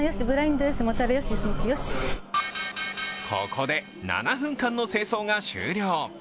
ここで７分間の清掃が終了。